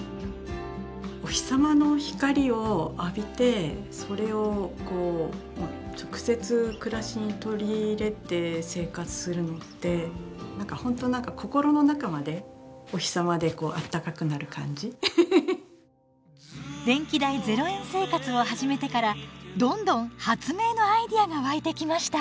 お日様の光を浴びてそれをこう直接暮らしに取り入れて生活するのって何かほんと何か電気代０円生活を始めてからどんどん発明のアイデアが湧いてきました！